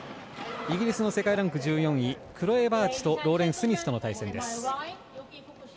イギリスの世界ランク１４位クロエ・バーチとローレン・スミスとの対戦です。